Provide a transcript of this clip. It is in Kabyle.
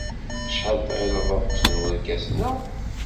Acḥal tɣileḍ ad ṭṭfen warkasen-a?